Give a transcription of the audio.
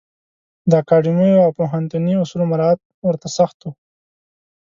د اکاډمیو او پوهنتوني اصولو مرعات ورته سخت و.